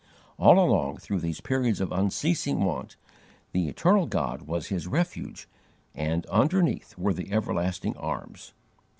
All along through these periods of unceasing want, the Eternal God was his refuge and underneath were the Everlasting Arms.